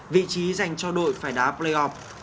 vị trí dành cho đội phải đá playoff